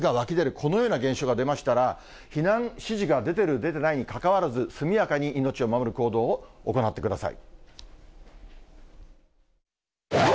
このような現象が出ましたら、避難指示が出てる、出てないに関わらず、速やかに命を守る行動を行ってください。